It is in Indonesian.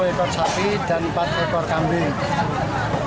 satu ekor sapi dan empat ekor kambing